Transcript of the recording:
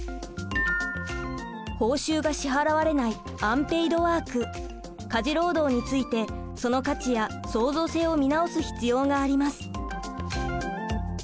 報酬が支払われないアンペイドワーク家事労働についてその価値や創造性を見直す必要があります。